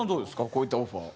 こういったオファー。